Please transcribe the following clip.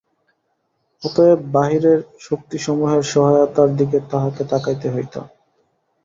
অতএব বাহিরের শক্তিসমূহের সহায়তার দিকে তাহাকে তাকাইতে হইত।